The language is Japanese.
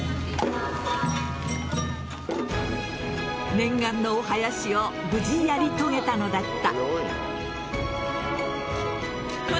念願のおはやしを無事、やり遂げたのだった。